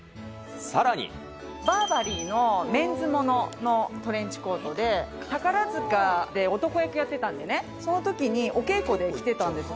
バーバリーのメンズもののトレンチコートで、宝塚で男役やってたんでね、そのときにお稽古で着てたんです。